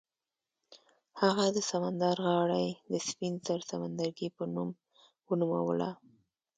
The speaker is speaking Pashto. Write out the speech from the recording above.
هغه د سمندر غاړه یې د سپین زر سمندرګي په نوم ونوموله.